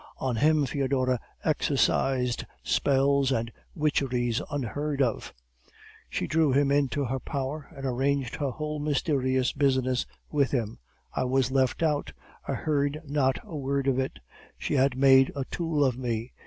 "On him Foedora exercised spells and witcheries unheard of; she drew him into her power, and arranged her whole mysterious business with him; I was left out, I heard not a word of it; she had made a tool of me!